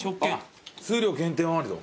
数量限定もあるよ。